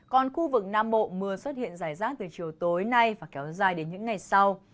còn khu vực nam bộ mưa xuất hiện rải rác từ chiều tối nay và kéo dài đến những ngày sau